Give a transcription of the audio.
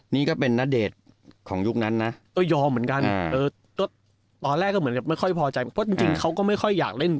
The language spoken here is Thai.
นี่ก็เป็นณเดชน์ของยุคนั้นนะก็ยอมเหมือนกันตอนแรกก็เหมือนกับไม่ค่อยพอใจเพราะจริงเขาก็ไม่ค่อยอยากเล่น